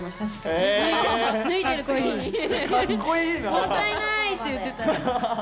「もったいない！」って言ってたら。